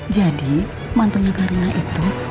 jadi mantunya karina itu